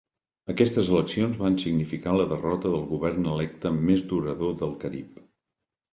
Aquestes eleccions van significar la derrota del govern electe més durador del Carib.